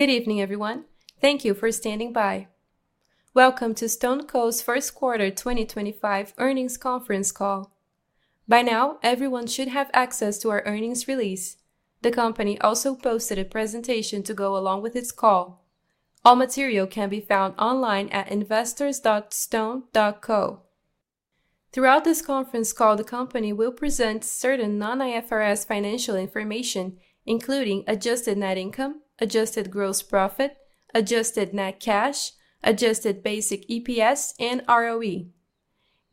Good evening, everyone. Thank you for standing by. Welcome to StoneCo's first quarter 2025 earnings conference call. By now, everyone should have access to our earnings release. The company also posted a presentation to go along with its call. All material can be found online at investors.stone.co. Throughout this conference call, the company will present certain non-IFRS financial information, including adjusted net income, adjusted gross profit, adjusted net cash, adjusted basic EPS, and ROE.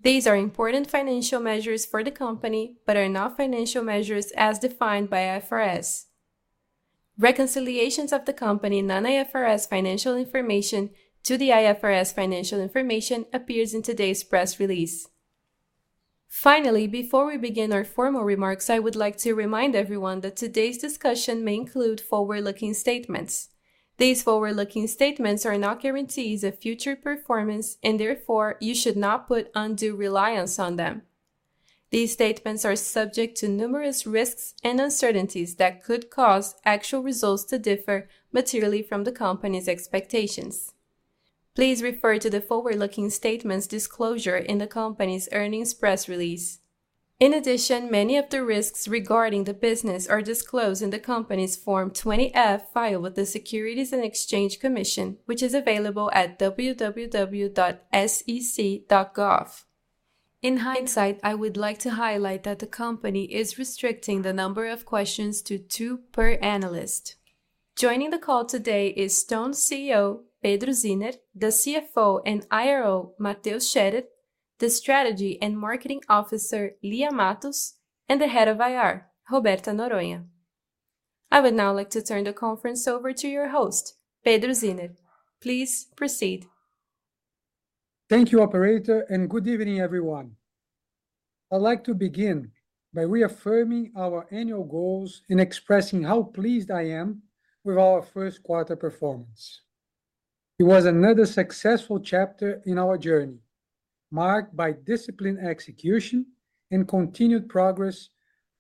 These are important financial measures for the company but are not financial measures as defined by IFRS. Reconciliations of the company's non-IFRS financial information to the IFRS financial information appear in today's press release. Finally, before we begin our formal remarks, I would like to remind everyone that today's discussion may include forward-looking statements. These forward-looking statements are not guarantees of future performance, and therefore, you should not put undue reliance on them. These statements are subject to numerous risks and uncertainties that could cause actual results to differ materially from the company's expectations. Please refer to the forward-looking statements disclosure in the company's earnings press release. In addition, many of the risks regarding the business are disclosed in the company's Form 20F file with the Securities and Exchange Commission, which is available at www.sec.gov. In hindsight, I would like to highlight that the company is restricting the number of questions to two per analyst. Joining the call today is Stone's CEO, Pedro Zinner, the CFO and IRO, Mateus Scherer, the Strategy and Marketing Officer, Lia Matos, and the Head of IR, Roberta Noronha. I would now like to turn the conference over to your host, Pedro Zinner. Please proceed. Thank you, Operator, and good evening, everyone. I'd like to begin by reaffirming our annual goals and expressing how pleased I am with our first quarter performance. It was another successful chapter in our journey, marked by disciplined execution and continued progress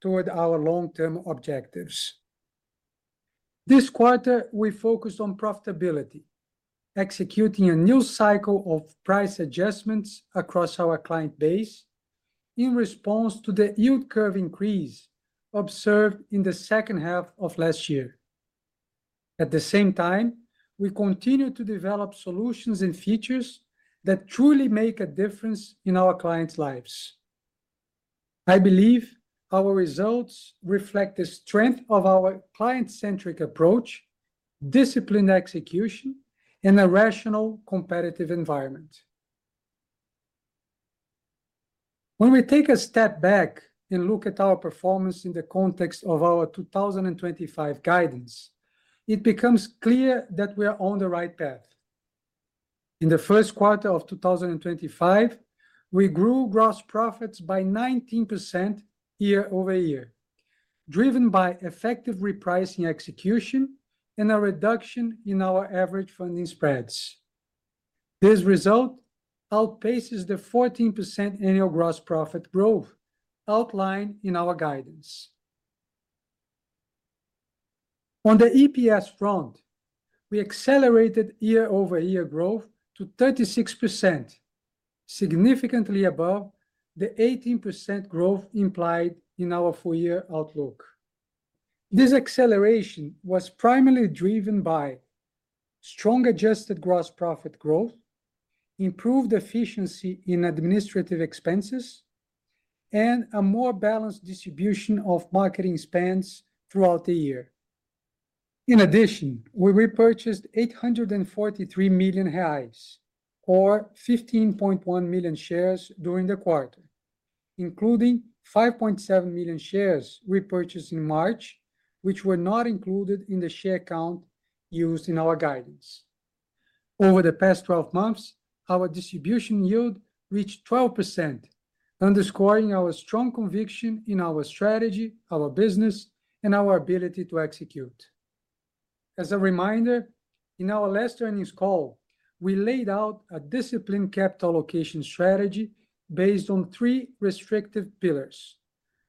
toward our long-term objectives. This quarter, we focused on profitability, executing a new cycle of price adjustments across our client base in response to the yield curve increase observed in the second half of last year. At the same time, we continued to develop solutions and features that truly make a difference in our clients' lives. I believe our results reflect the strength of our client-centric approach, disciplined execution, and a rational competitive environment. When we take a step back and look at our performance in the context of our 2025 guidance, it becomes clear that we are on the right path. In the first quarter of 2025, we grew gross profits by 19% year over year, driven by effective repricing execution and a reduction in our average funding spreads. This result outpaces the 14% annual gross profit growth outlined in our guidance. On the EPS front, we accelerated year-over-year growth to 36%, significantly above the 18% growth implied in our full-year outlook. This acceleration was primarily driven by strong adjusted gross profit growth, improved efficiency in administrative expenses, and a more balanced distribution of marketing spends throughout the year. In addition, we repurchased 843 million reais, or 15.1 million shares during the quarter, including 5.7 million shares repurchased in March, which were not included in the share count used in our guidance. Over the past 12 months, our distribution yield reached 12%, underscoring our strong conviction in our strategy, our business, and our ability to execute. As a reminder, in our last earnings call, we laid out a disciplined capital allocation strategy based on three restrictive pillars,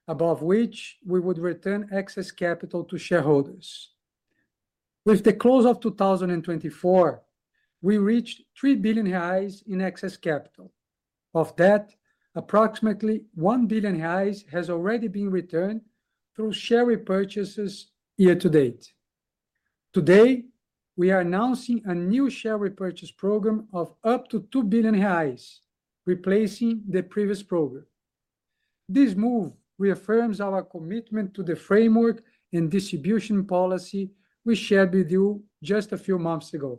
above which we would return excess capital to shareholders. With the close of 2024, we reached 3 billion reais in excess capital. Of that, approximately 1 billion reais has already been returned through share repurchases year to date. Today, we are announcing a new share repurchase program of up to 2 billion reais, replacing the previous program. This move reaffirms our commitment to the framework and distribution policy we shared with you just a few months ago.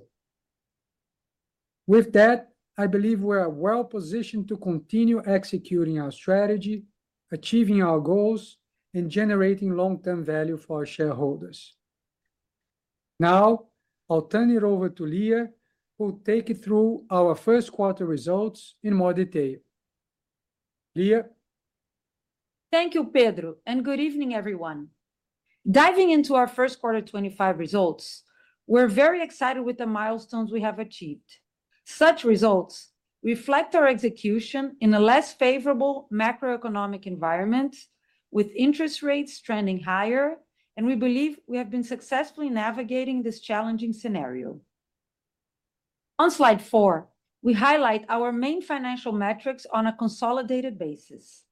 With that, I believe we are well positioned to continue executing our strategy, achieving our goals, and generating long-term value for our shareholders. Now, I'll turn it over to Lia, who will take you through our first quarter results in more detail. Lia. Thank you, Pedro, and good evening, everyone. Diving into our first quarter 2025 results, we're very excited with the milestones we have achieved. Such results reflect our execution in a less favorable macroeconomic environment, with interest rates trending higher, and we believe we have been successfully navigating this challenging scenario. On slide four, we highlight our main financial metrics on a consolidated basis.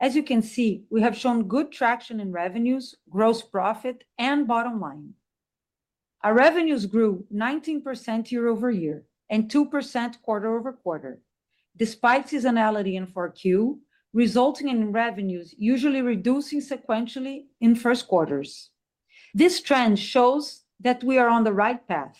As you can see, we have shown good traction in revenues, gross profit, and bottom line. Our revenues grew 19% year over year and two percent quarter over quarter, despite seasonality in fourth quarter, resulting in revenues usually reducing sequentially in first quarters. This trend shows that we are on the right path.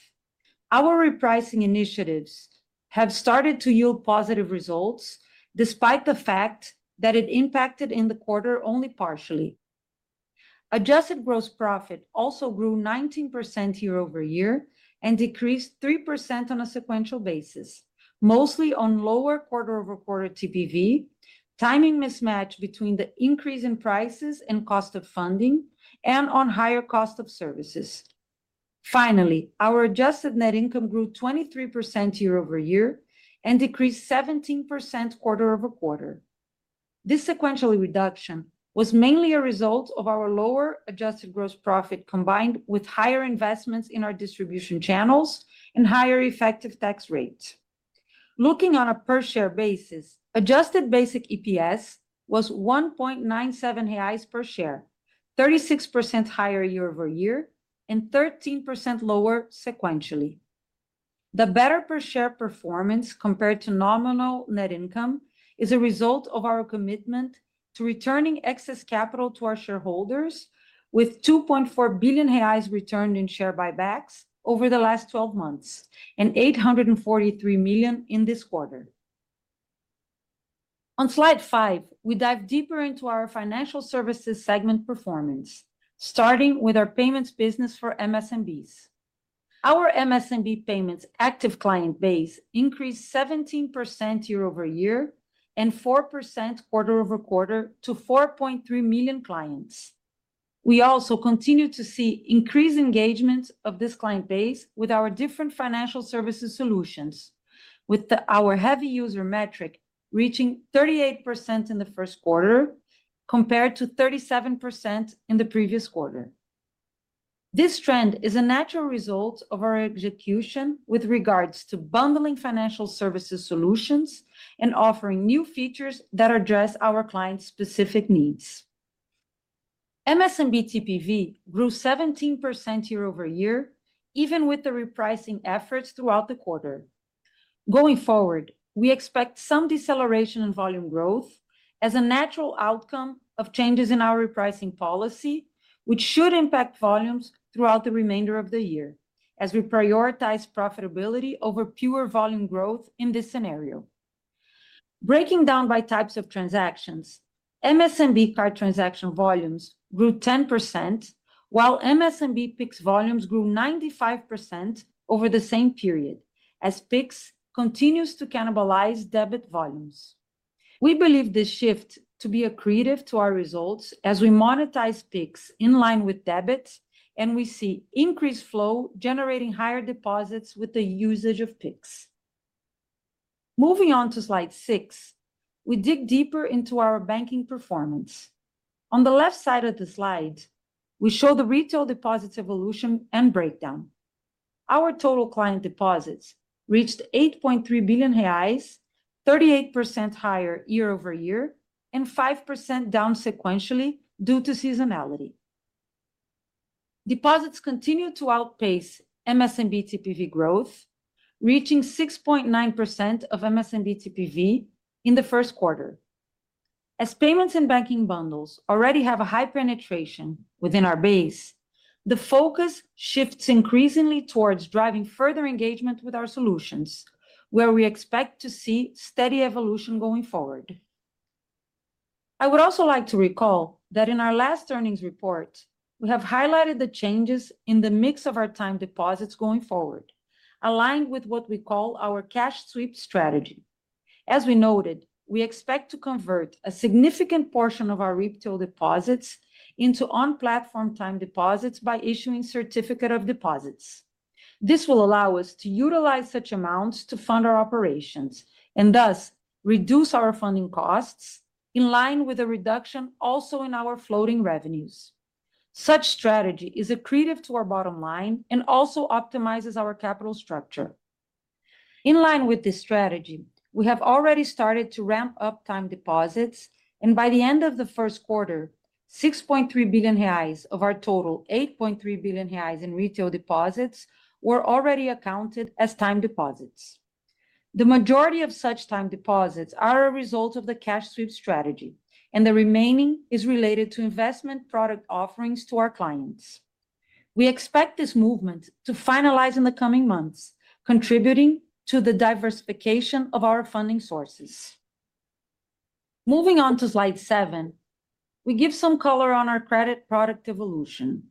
Our repricing initiatives have started to yield positive results, despite the fact that it impacted in the quarter only partially. Adjusted gross profit also grew 19% year over year and decreased three percent on a sequential basis, mostly on lower quarter-over-quarter TPV, timing mismatch between the increase in prices and cost of funding, and on higher cost of services. Finally, our adjusted net income grew 23% year over year and decreased 17% quarter over quarter. This sequentially reduction was mainly a result of our lower adjusted gross profit combined with higher investments in our distribution channels and higher effective tax rates. Looking on a per-share basis, adjusted basic EPS was 1.97 reais per share, 36% higher year over year, and 13% lower sequentially. The better per-share performance compared to nominal net income is a result of our commitment to returning excess capital to our shareholders, with 2.4 billion reais returned in share buybacks over the last 12 months and 843 million in this quarter. On slide five, we dive deeper into our financial services segment performance, starting with our payments business for MSMBs. Our MSMB payments active client base increased 17% year over year and 4% quarter over quarter to 4.3 million clients. We also continue to see increased engagement of this client base with our different financial services solutions, with our heavy user metric reaching 38% in the first quarter compared to 37% in the previous quarter. This trend is a natural result of our execution with regards to bundling financial services solutions and offering new features that address our client-specific needs. MSMB TPV grew 17% year over year, even with the repricing efforts throughout the quarter. Going forward, we expect some deceleration in volume growth as a natural outcome of changes in our repricing policy, which should impact volumes throughout the remainder of the year as we prioritize profitability over pure volume growth in this scenario. Breaking down by types of transactions, MSMB card transaction volumes grew 10%, while MSMB Pix volumes grew 95% over the same period, as Pix continues to cannibalize debit volumes. We believe this shift to be accretive to our results as we monetize Pix in line with debit, and we see increased flow generating higher deposits with the usage of Pix. Moving on to slide six, we dig deeper into our banking performance. On the left side of the slide, we show the retail deposits evolution and breakdown. Our total client deposits reached 8.3 billion reais, 38% higher year over year, and 5% down sequentially due to seasonality. Deposits continue to outpace MSMB TPV growth, reaching 6.9% of MSMB TPV in the first quarter. As payments and banking bundles already have a high penetration within our base, the focus shifts increasingly towards driving further engagement with our solutions, where we expect to see steady evolution going forward. I would also like to recall that in our last earnings report, we have highlighted the changes in the mix of our time deposits going forward, aligned with what we call our cash sweep strategy. As we noted, we expect to convert a significant portion of our retail deposits into on-platform time deposits by issuing certificates of deposit. This will allow us to utilize such amounts to fund our operations and thus reduce our funding costs in line with a reduction also in our floating revenues. Such strategy is accretive to our bottom line and also optimizes our capital structure. In line with this strategy, we have already started to ramp up time deposits, and by the end of the first quarter, 6.3 billion reais of our total 8.3 billion reais in retail deposits were already accounted as time deposits. The majority of such time deposits are a result of the cash sweep strategy, and the remaining is related to investment product offerings to our clients. We expect this movement to finalize in the coming months, contributing to the diversification of our funding sources. Moving on to slide seven, we give some color on our credit product evolution.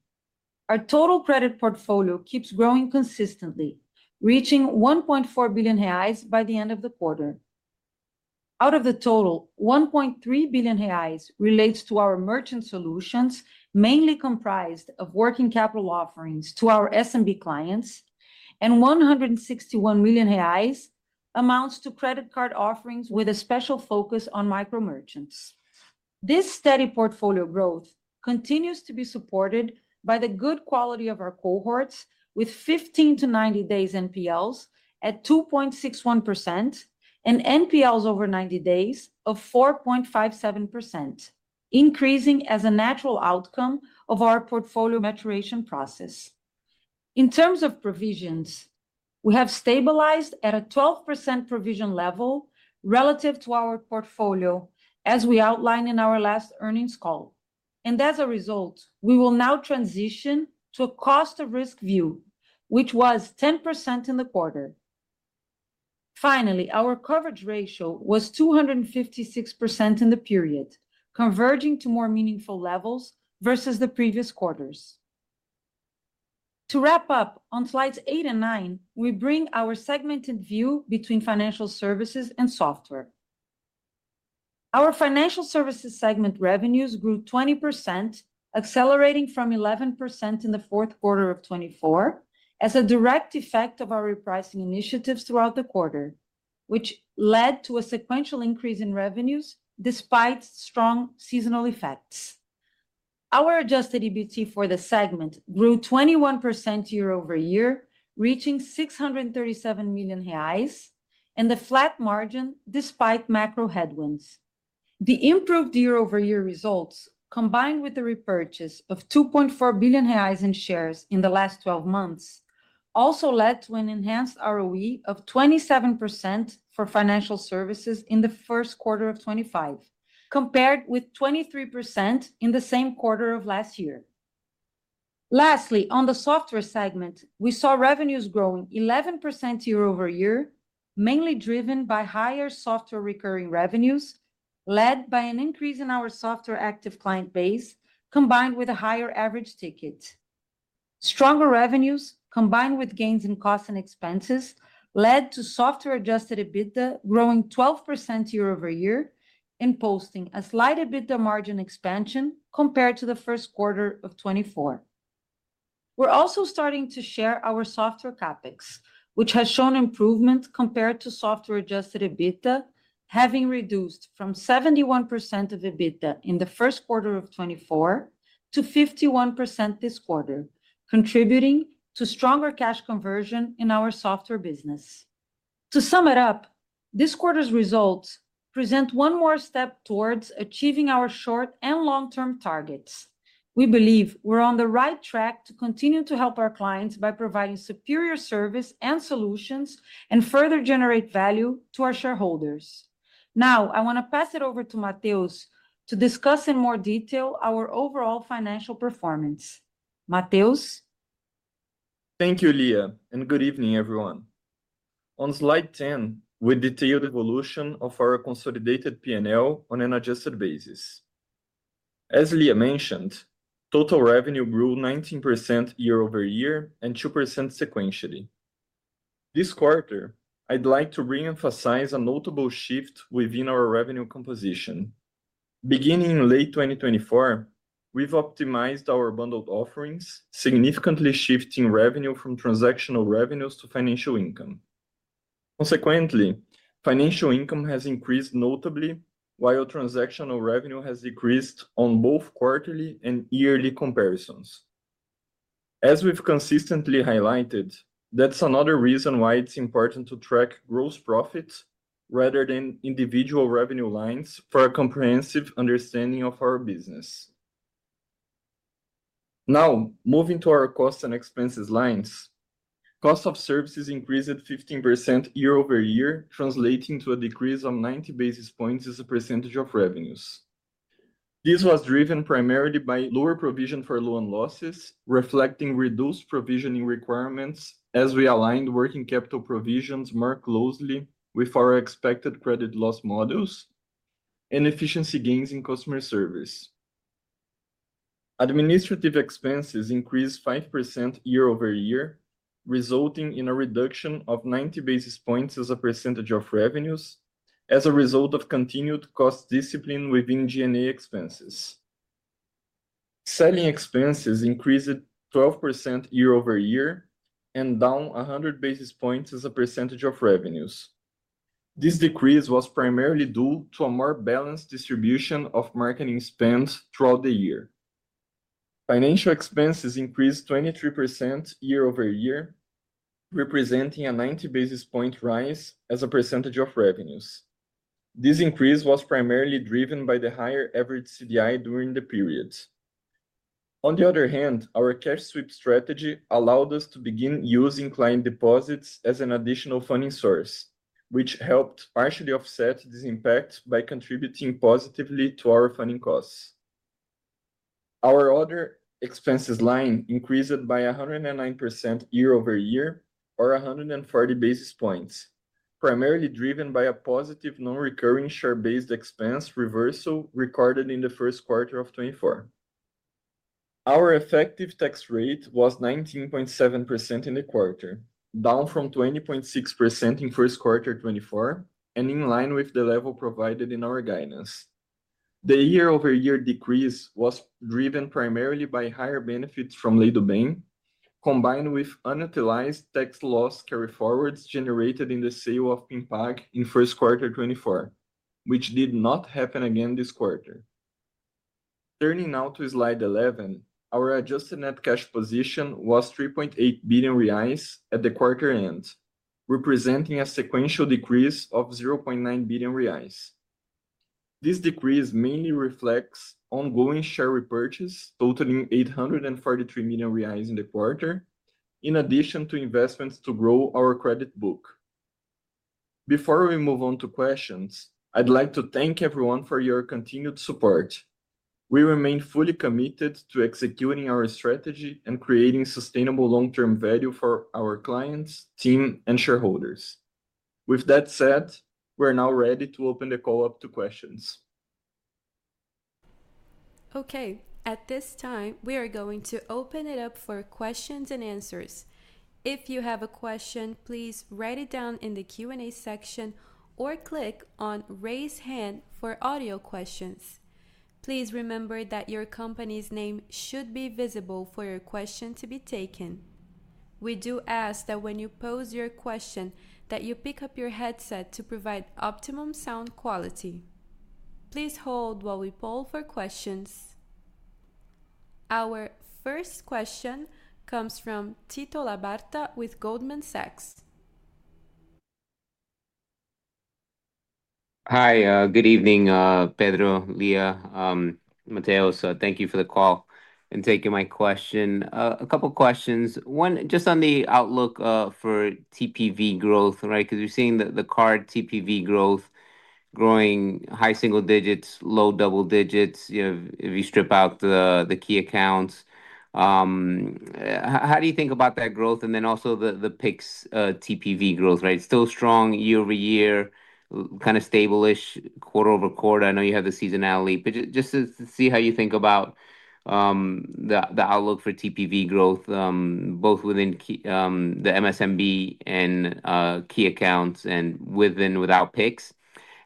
Our total credit portfolio keeps growing consistently, reaching 1.4 billion reais by the end of the quarter. Out of the total, 1.3 billion reais relates to our merchant solutions, mainly comprised of working capital offerings to our S&B clients, and 161 million reais amounts to credit card offerings with a special focus on micro merchants. This steady portfolio growth continues to be supported by the good quality of our cohorts with 15-90 days NPLs at 2.61% and NPLs over 90 days of 4.57%, increasing as a natural outcome of our portfolio maturation process. In terms of provisions, we have stabilized at a 12% provision level relative to our portfolio, as we outlined in our last earnings call. As a result, we will now transition to a cost of risk view, which was 10% in the quarter. Finally, our coverage ratio was 256% in the period, converging to more meaningful levels versus the previous quarters. To wrap up, on slides eight and nine, we bring our segmented view between financial services and software. Our financial services segment revenues grew 20%, accelerating from 11% in the fourth quarter of 2024 as a direct effect of our repricing initiatives throughout the quarter, which led to a sequential increase in revenues despite strong seasonal effects. Our adjusted EBT for the segment grew 21% year over year, reaching 637 million reais, and a flat margin despite macro headwinds. The improved year-over-year results, combined with the repurchase of 2.4 billion reais in shares in the last 12 months, also led to an enhanced ROE of 27% for financial services in the first quarter of 2025, compared with 23% in the same quarter of last year. Lastly, on the software segment, we saw revenues growing 11% year-over-year, mainly driven by higher software recurring revenues led by an increase in our software active client base combined with a higher average ticket. Stronger revenues combined with gains in costs and expenses led to software adjusted EBITDA growing 12% year-over-year and posting a slight EBITDA margin expansion compared to the first quarter of 2024. We're also starting to share our software CapEx, which has shown improvement compared to software adjusted EBITDA, having reduced from 71% of EBITDA in the first quarter of 2024 to 51% this quarter, contributing to stronger cash conversion in our software business. To sum it up, this quarter's results present one more step towards achieving our short and long-term targets. We believe we're on the right track to continue to help our clients by providing superior service and solutions and further generate value to our shareholders. Now, I want to pass it over to Mateus to discuss in more detail our overall financial performance. Mateus. Thank you, Lia, and good evening, everyone. On slide 10, we detail the evolution of our consolidated P&L on an adjusted basis. As Lia mentioned, total revenue grew 19% year over year and two percent sequentially. This quarter, I'd like to reemphasize a notable shift within our revenue composition. Beginning in late 2024, we've optimized our bundled offerings, significantly shifting revenue from transactional revenues to financial income. Consequently, financial income has increased notably, while transactional revenue has decreased on both quarterly and yearly comparisons. As we've consistently highlighted, that's another reason why it's important to track gross profits rather than individual revenue lines for a comprehensive understanding of our business. Now, moving to our cost and expenses lines, cost of services increased 15% year over year, translating to a decrease of 90 basis points as a percentage of revenues. This was driven primarily by lower provision for loan losses, reflecting reduced provisioning requirements as we aligned working capital provisions more closely with our expected credit loss models and efficiency gains in customer service. Administrative expenses increased 5% year-over-year, resulting in a reduction of 90 basis points as a percentage of revenues as a result of continued cost discipline within G&A expenses. Selling expenses increased 12% year-over-year and down 100 basis points as a percentage of revenues. This decrease was primarily due to a more balanced distribution of marketing spend throughout the year. Financial expenses increased 23% year-over-year, representing a 90 basis point rise as a percentage of revenues. This increase was primarily driven by the higher average CDI during the period. On the other hand, our cash sweep strategy allowed us to begin using client deposits as an additional funding source, which helped partially offset this impact by contributing positively to our funding costs. Our other expenses line increased by 109% year-over-year, or 140 basis points, primarily driven by a positive non-recurring share-based expense reversal recorded in the first quarter of 2024. Our effective tax rate was 19.7% in the quarter, down from 20.6% in first quarter 2024, and in line with the level provided in our guidance. The year-over-year decrease was driven primarily by higher benefits from Lei do Bem, combined with unutilized tax loss carry forwards generated in the sale of PinnPag in first quarter 2024, which did not happen again this quarter. Turning now to slide 11, our adjusted net cash position was 3.8 billion reais at the quarter end, representing a sequential decrease of 0.9 billion reais. This decrease mainly reflects ongoing share repurchase, totaling 843 million reais in the quarter, in addition to investments to grow our credit book. Before we move on to questions, I'd like to thank everyone for your continued support. We remain fully committed to executing our strategy and creating sustainable long-term value for our clients, team, and shareholders. With that said, we're now ready to open the call up to questions. Okay. At this time, we are going to open it up for questions and answers. If you have a question, please write it down in the Q&A section or click on "Raise Hand" for audio questions. Please remember that your company's name should be visible for your question to be taken. We do ask that when you pose your question, that you pick up your headset to provide optimum sound quality. Please hold while we poll for questions. Our first question comes from Tito Labarta with Goldman Sachs. Hi, good evening, Pedro, Lia, Mateus. Thank you for the call and taking my question. A couple of questions. One, just on the outlook for TPV growth, right? Because we're seeing the card TPV growth growing high single digits, low double digits if you strip out the key accounts. How do you think about that growth? Also the Pix TPV growth, right? Still strong year-over-year, kind of stable quarter over quarter. I know you have the seasonality, but just to see how you think about the outlook for TPV growth, both within the MSMB and key accounts and with and without Pix.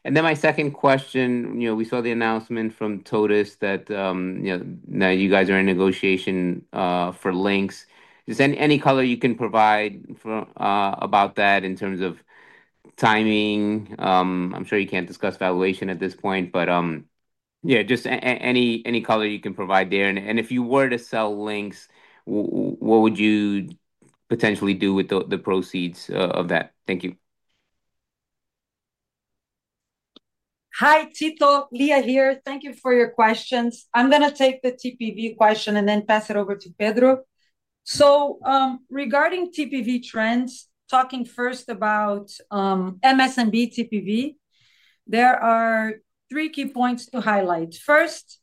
My second question, we saw the announcement from TOTVS that now you guys are in negotiation for Linx. Just any color you can provide about that in terms of timing. I'm sure you can't discuss valuation at this point, but yeah, just any color you can provide there. If you were to sell links, what would you potentially do with the proceeds of that? Thank you. Hi, Tito. Lia here. Thank you for your questions. I'm going to take the TPV question and then pass it over to Pedro. Regarding TPV trends, talking first about MSMB TPV, there are three key points to highlight. First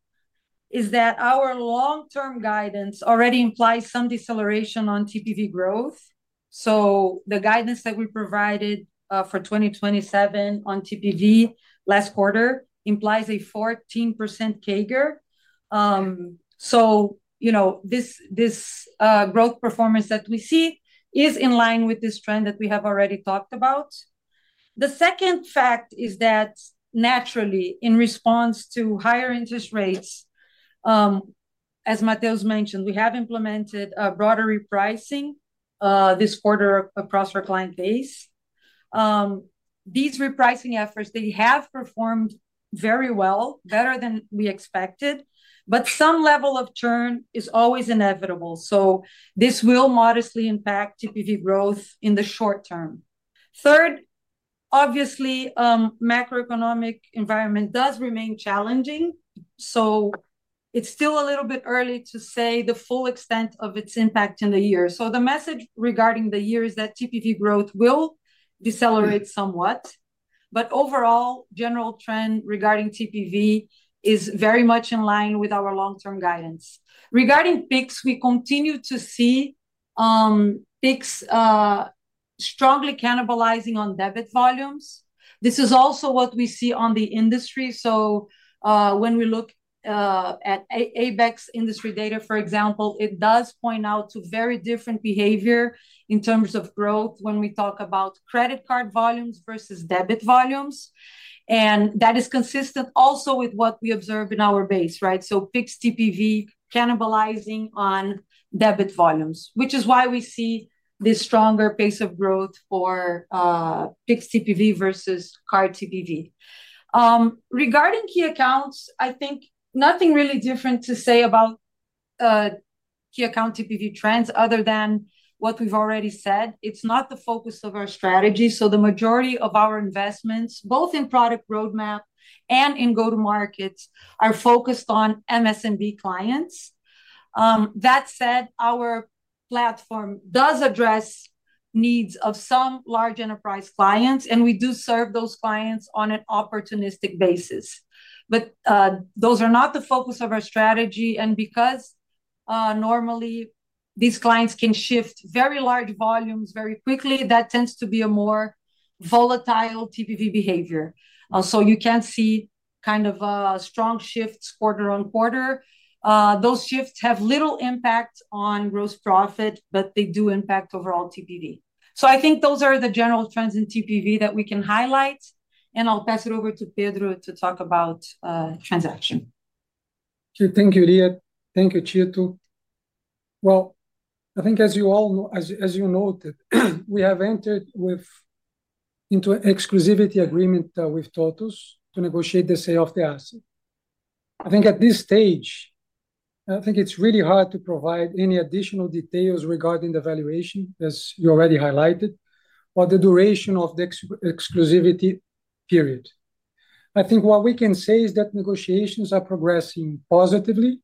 is that our long-term guidance already implies some deceleration on TPV growth. The guidance that we provided for 2027 on TPV last quarter implies a 14% CAGR. This growth performance that we see is in line with this trend that we have already talked about. The second fact is that naturally, in response to higher interest rates, as Mateus mentioned, we have implemented a broader repricing this quarter across our client base. These repricing efforts, they have performed very well, better than we expected, but some level of churn is always inevitable. This will modestly impact TPV growth in the short term. Third, obviously, the macroeconomic environment does remain challenging. It is still a little bit early to say the full extent of its impact in the year. The message regarding the year is that TPV growth will decelerate somewhat. Overall, the general trend regarding TPV is very much in line with our long-term guidance. Regarding Pix, we continue to see Pix strongly cannibalizing on debit volumes. This is also what we see on the industry. When we look at ABECS industry data, for example, it does point out to very different behavior in terms of growth when we talk about credit card volumes versus debit volumes. That is consistent also with what we observe in our base, right? Pix TPV cannibalizing on debit volumes, which is why we see this stronger pace of growth for Pix TPV versus card TPV. Regarding key accounts, I think nothing really different to say about key account TPV trends other than what we've already said. It's not the focus of our strategy. The majority of our investments, both in product roadmap and in go-to-markets, are focused on MSMB clients. That said, our platform does address the needs of some large enterprise clients, and we do serve those clients on an opportunistic basis. Those are not the focus of our strategy. Because normally these clients can shift very large volumes very quickly, that tends to be a more volatile TPV behavior. You can see kind of a strong shift quarter on quarter. Those shifts have little impact on gross profit, but they do impact overall TPV. I think those are the general trends in TPV that we can highlight. I'll pass it over to Pedro to talk about transaction. Thank you, Lia. Thank you, Tito. I think as you all, as you noted, we have entered into an exclusivity agreement with TOTVS to negotiate the sale of the asset. I think at this stage, I think it's really hard to provide any additional details regarding the valuation, as you already highlighted, or the duration of the exclusivity period. I think what we can say is that negotiations are progressing positively.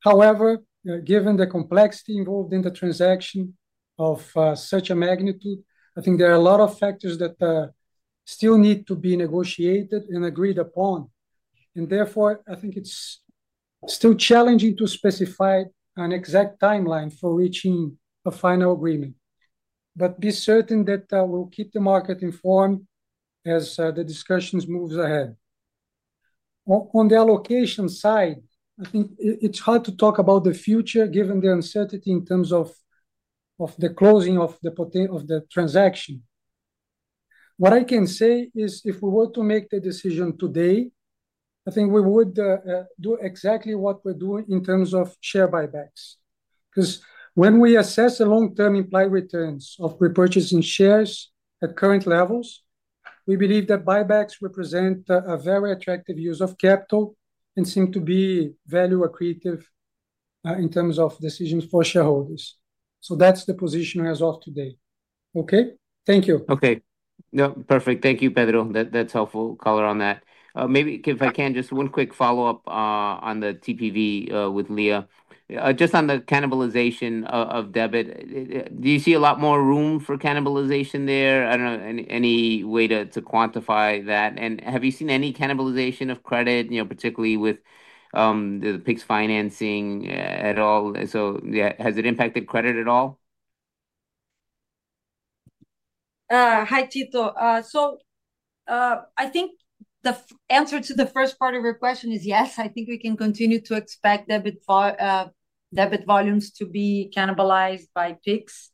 However, given the complexity involved in the transaction of such a magnitude, I think there are a lot of factors that still need to be negotiated and agreed upon. Therefore, I think it's still challenging to specify an exact timeline for reaching a final agreement. Be certain that we'll keep the market informed as the discussions move ahead. On the allocation side, I think it's hard to talk about the future given the uncertainty in terms of the closing of the transaction. What I can say is if we were to make the decision today, I think we would do exactly what we're doing in terms of share buybacks. Because when we assess the long-term implied returns of repurchasing shares at current levels, we believe that buybacks represent a very attractive use of capital and seem to be value-accretive in terms of decisions for shareholders. So that's the position as of today. Okay? Thank you. Okay. No, perfect. Thank you, Pedro. That's helpful color on that. Maybe if I can, just one quick follow-up on the TPV with Lia. Just on the cannibalization of debit, do you see a lot more room for cannibalization there? I do not know any way to quantify that. And have you seen any cannibalization of credit, particularly with the Pix financing at all? Has it impacted credit at all? Hi, Tito. I think the answer to the first part of your question is yes. I think we can continue to expect debit volumes to be cannibalized by Pix.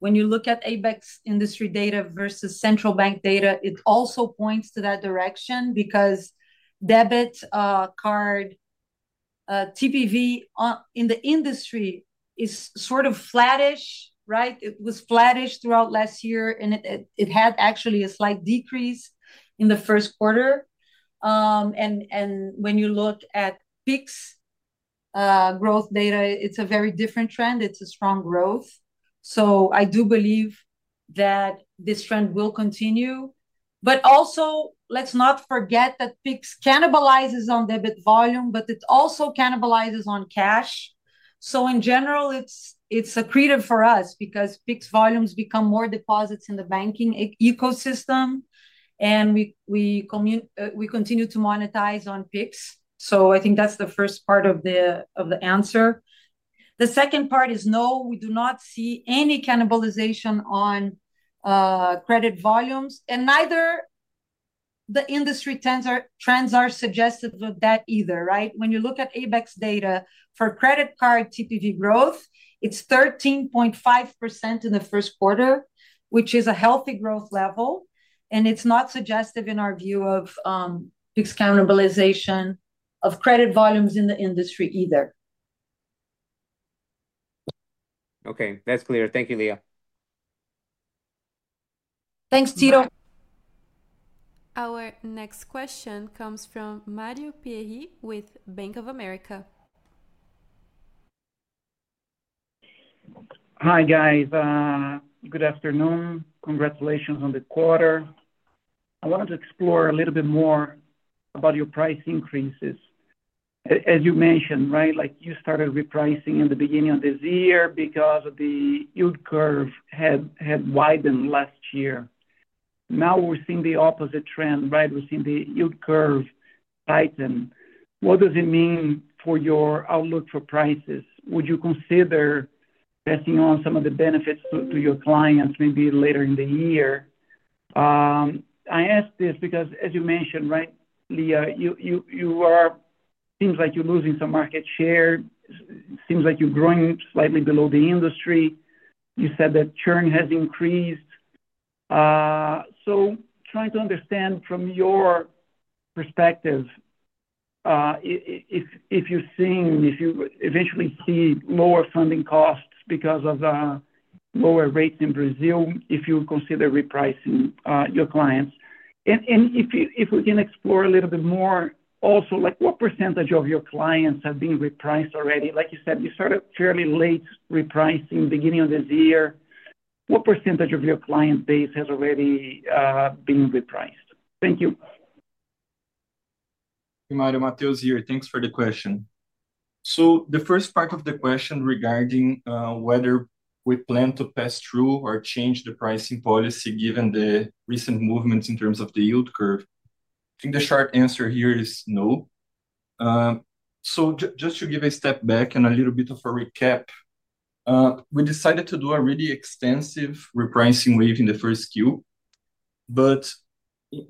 When you look at ABECS industry data versus central bank data, it also points to that direction because debit card TPV in the industry is sort of flattish, right? It was flattish throughout last year, and it had actually a slight decrease in the first quarter. When you look at Pix growth data, it's a very different trend. It's a strong growth. I do believe that this trend will continue. Let's not forget that Pix cannibalizes on debit volume, but it also cannibalizes on cash. In general, it's accretive for us because Pix volumes become more deposits in the banking ecosystem. We continue to monetize on Pix. I think that's the first part of the answer. The second part is no, we do not see any cannibalization on credit volumes. Neither the industry trends are suggestive of that either, right? When you look at ABECS data for credit card TPV growth, it's 13.5% in the first quarter, which is a healthy growth level. It's not suggestive in our view of Pix cannibalization of credit volumes in the industry either. Okay. That's clear. Thank you, Lia. Thanks, Tito. Our next question comes from Mario Pierry with Bank of America. Hi, guys. Good afternoon. Congratulations on the quarter. I wanted to explore a little bit more about your price increases. As you mentioned, right, you started repricing in the beginning of this year because the yield curve had widened last year. Now we are seeing the opposite trend, right? We are seeing the yield curve tighten. What does it mean for your outlook for prices? Would you consider passing on some of the benefits to your clients maybe later in the year? I ask this because, as you mentioned, right, Lia, it seems like you are losing some market share. It seems like you are growing slightly below the industry. You said that churn has increased. Trying to understand from your perspective, if you are seeing, if you eventually see lower funding costs because of lower rates in Brazil, if you consider repricing your clients. If we can explore a little bit more also, what percentage of your clients have been repriced already? Like you said, you started fairly late repricing in the beginning of this year. What percentage of your client base has already been repriced? Thank you. Good morning, Mateus here. Thanks for the question. The first part of the question regarding whether we plan to pass through or change the pricing policy given the recent movements in terms of the yield curve, I think the short answer here is no. Just to give a step back and a little bit of a recap, we decided to do a really extensive repricing wave in the first year.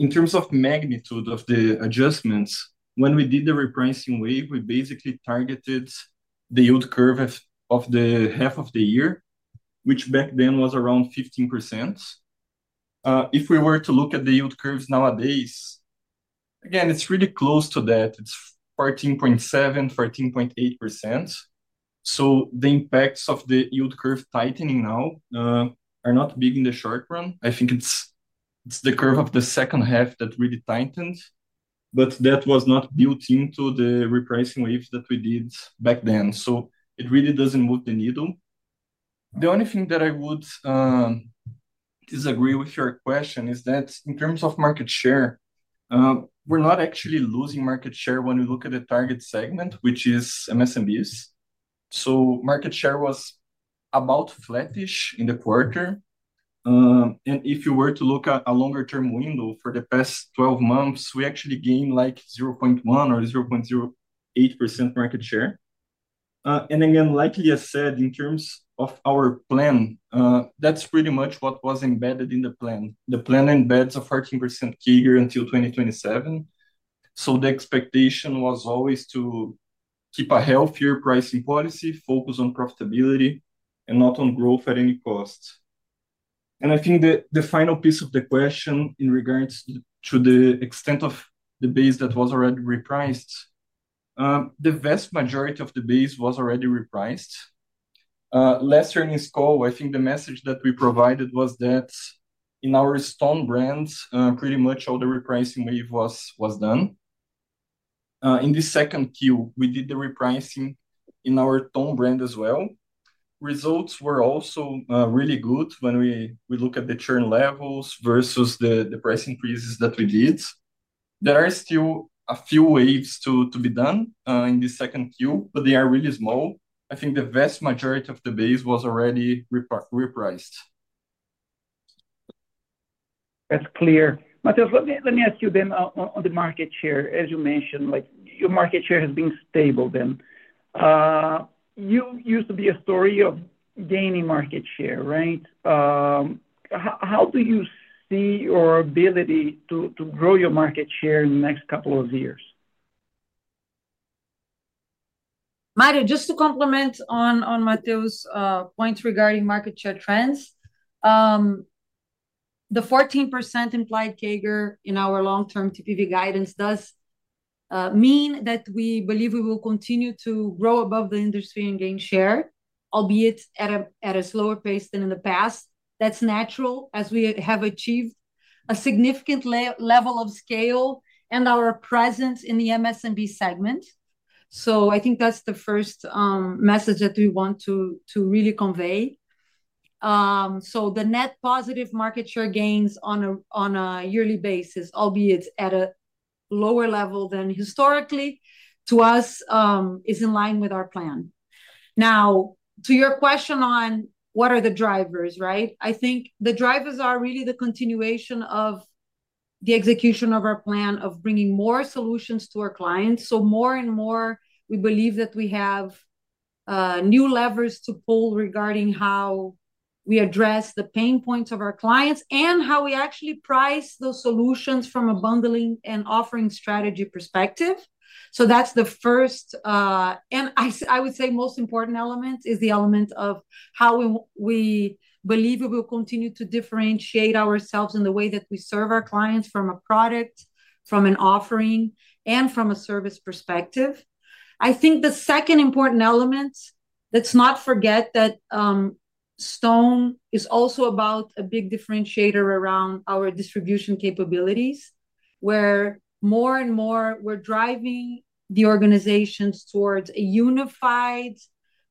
In terms of magnitude of the adjustments, when we did the repricing wave, we basically targeted the yield curve of the half of the year, which back then was around 15%. If we were to look at the yield curves nowadays, again, it is really close to that. It is 14.7-14.8%. The impacts of the yield curve tightening now are not big in the short run. I think it's the curve of the second half that really tightened, but that was not built into the repricing waves that we did back then. It really doesn't move the needle. The only thing that I would disagree with your question is that in terms of market share, we're not actually losing market share when we look at the target segment, which is MSMBs. Market share was about flattish in the quarter. If you were to look at a longer-term window for the past 12 months, we actually gained like 0.1% or 0.08% market share. Again, like Lia said, in terms of our plan, that's pretty much what was embedded in the plan. The plan embeds a 14% CAGR until 2027. The expectation was always to keep a healthier pricing policy, focus on profitability, and not on growth at any cost. I think the final piece of the question in regards to the extent of the base that was already repriced, the vast majority of the base was already repriced. Last earnings call, I think the message that we provided was that in our Stone brand, pretty much all the repricing wave was done. In the second Q, we did the repricing in our Tone brand as well. Results were also really good when we look at the churn levels versus the price increases that we did. There are still a few waves to be done in the second Q, but they are really small. I think the vast majority of the base was already repriced. That's clear. Mateus, let me ask you then on the market share. As you mentioned, your market share has been stable then. You used to be a story of gaining market share, right? How do you see your ability to grow your market share in the next couple of years? Mario, just to complement on Mateus' points regarding market share trends, the 14% implied CAGR in our long-term TPV guidance does mean that we believe we will continue to grow above the industry and gain share, albeit at a slower pace than in the past. That is natural as we have achieved a significant level of scale and our presence in the MSMB segment. I think that is the first message that we want to really convey. The net positive market share gains on a yearly basis, albeit at a lower level than historically, to us is in line with our plan. Now, to your question on what are the drivers, right? I think the drivers are really the continuation of the execution of our plan of bringing more solutions to our clients. More and more, we believe that we have new levers to pull regarding how we address the pain points of our clients and how we actually price those solutions from a bundling and offering strategy perspective. That is the first, and I would say most important element, the element of how we believe we will continue to differentiate ourselves in the way that we serve our clients from a product, from an offering, and from a service perspective. I think the second important element, let's not forget that Stone is also about a big differentiator around our distribution capabilities, where more and more we are driving the organization towards a unified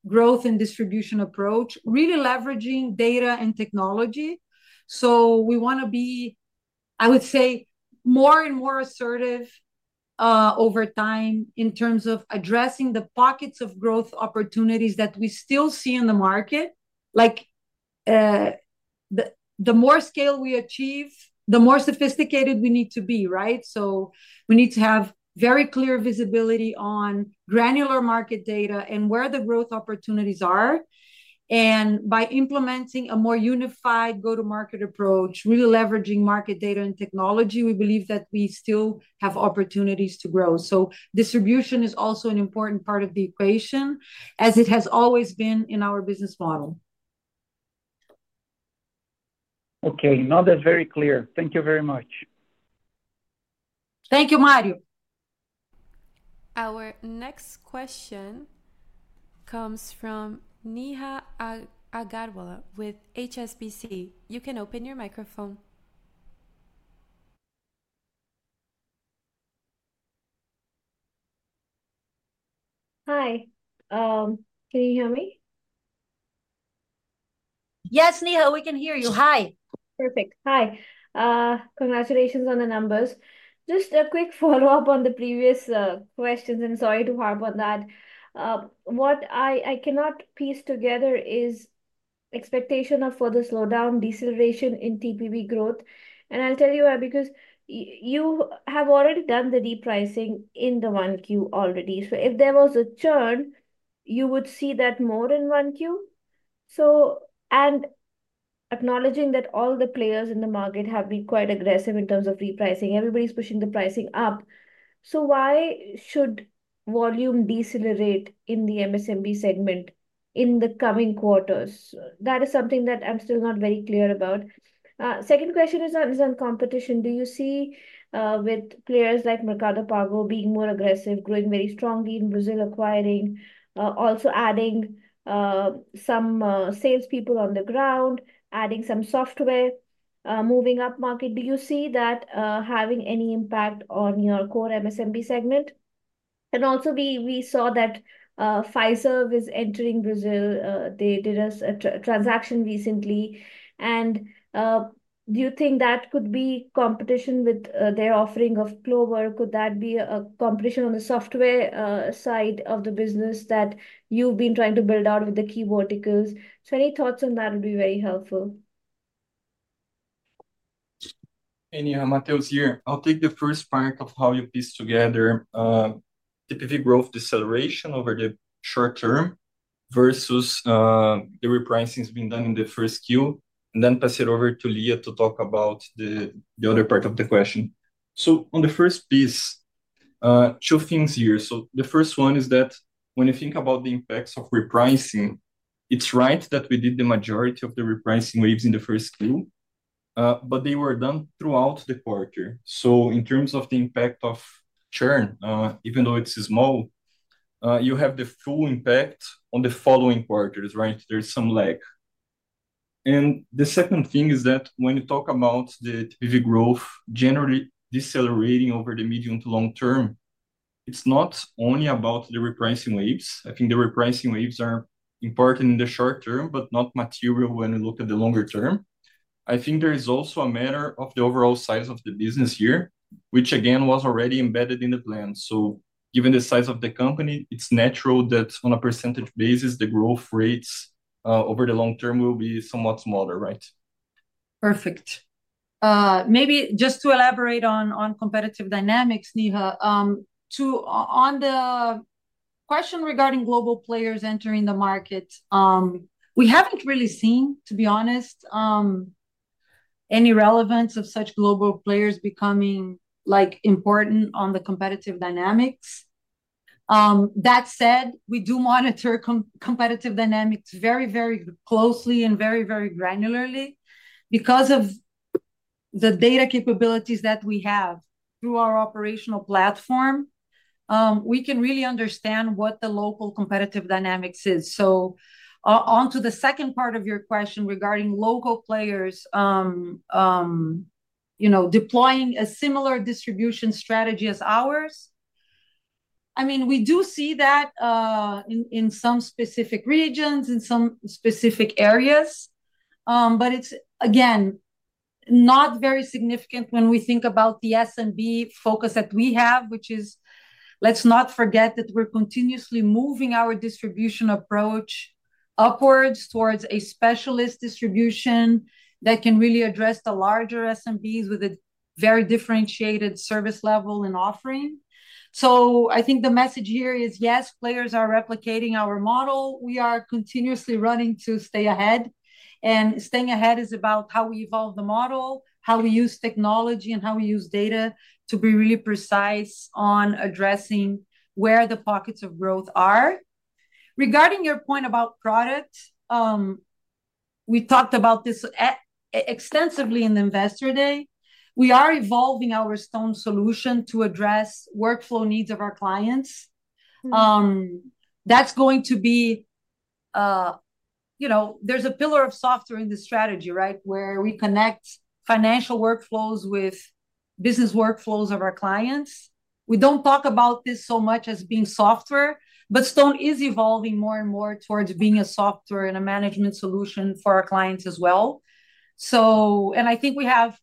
growth and distribution approach, really leveraging data and technology. We want to be, I would say, more and more assertive over time in terms of addressing the pockets of growth opportunities that we still see in the market. The more scale we achieve, the more sophisticated we need to be, right? We need to have very clear visibility on granular market data and where the growth opportunities are. By implementing a more unified go-to-market approach, really leveraging market data and technology, we believe that we still have opportunities to grow. Distribution is also an important part of the equation, as it has always been in our business model. Okay. Now that's very clear. Thank you very much. Thank you, Mario. Our next question comes from Neha Agarwala with HSBC. You can open your microphone. Hi. Can you hear me? Yes, Neha, we can hear you. Hi. Perfect. Hi. Congratulations on the numbers. Just a quick follow-up on the previous questions, and sorry to harp on that. What I cannot piece together is expectation of further slowdown, deceleration in TPV growth. I'll tell you why, because you have already done the repricing in the one Q already. If there was a churn, you would see that more in one Q. Acknowledging that all the players in the market have been quite aggressive in terms of repricing, everybody's pushing the pricing up. Why should volume decelerate in the MSMB segment in the coming quarters? That is something that I'm still not very clear about. Second question is on competition. Do you see with players like Mercado Pago being more aggressive, growing very strongly in Brazil, acquiring, also adding some salespeople on the ground, adding some software, moving up market? Do you see that having any impact on your core MSMB segment? Also, we saw that Fiserv was entering Brazil. They did a transaction recently. Do you think that could be competition with their offering of Clover? Could that be a competition on the software side of the business that you've been trying to build out with the key verticals? Any thoughts on that would be very helpful. Any Mateus here. I'll take the first part of how you piece together TPV growth deceleration over the short term versus the repricing has been done in the first Q. Then pass it over to Lia to talk about the other part of the question. On the first piece, two things here. The first one is that when you think about the impacts of repricing, it's right that we did the majority of the repricing waves in the first Q, but they were done throughout the quarter. In terms of the impact of churn, even though it's small, you have the full impact on the following quarters, right? There's some lag. The second thing is that when you talk about the TPV growth generally decelerating over the medium to long term, it's not only about the repricing waves. I think the repricing waves are important in the short term, but not material when you look at the longer term. I think there is also a matter of the overall size of the business here, which again was already embedded in the plan. Given the size of the company, it's natural that on a percentage basis, the growth rates over the long term will be somewhat smaller, right? Perfect. Maybe just to elaborate on competitive dynamics, Neha, on the question regarding global players entering the market, we have not really seen, to be honest, any relevance of such global players becoming important on the competitive dynamics. That said, we do monitor competitive dynamics very, very closely and very, very granularly. Because of the data capabilities that we have through our operational platform, we can really understand what the local competitive dynamics is. Onto the second part of your question regarding local players deploying a similar distribution strategy as ours, I mean, we do see that in some specific regions, in some specific areas, but it's, again, not very significant when we think about the S&B focus that we have, which is, let's not forget that we're continuously moving our distribution approach upwards towards a specialist distribution that can really address the larger S&Bs with a very differentiated service level and offering. I think the message here is, yes, players are replicating our model. We are continuously running to stay ahead. Staying ahead is about how we evolve the model, how we use technology, and how we use data to be really precise on addressing where the pockets of growth are. Regarding your point about product, we talked about this extensively in the investor day. We are evolving our Stone solution to address workflow needs of our clients. That is going to be, there is a pillar of software in the strategy, right, where we connect financial workflows with business workflows of our clients. We do not talk about this so much as being software, but Stone is evolving more and more towards being a software and a management solution for our clients as well. I think we have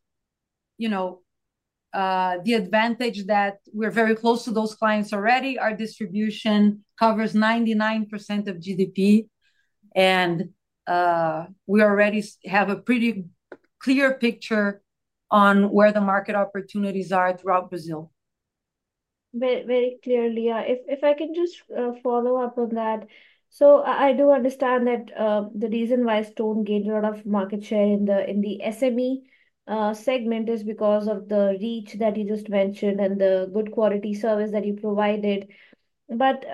the advantage that we are very close to those clients already. Our distribution covers 99% of GDP, and we already have a pretty clear picture on where the market opportunities are throughout Brazil. Very clear, Lia. If I can just follow up on that. I do understand that the reason why Stone gained a lot of market share in the SME segment is because of the reach that you just mentioned and the good quality service that you provided. What